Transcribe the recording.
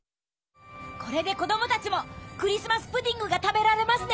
これで子供たちもクリスマス・プディングが食べられますね。